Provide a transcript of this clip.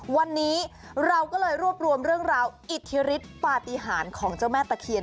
วันนี้เราก็เลยรวบรวมเรื่องราวอิทธิฤทธิ์ปฏิหารของเจ้าแม่ตะเคียน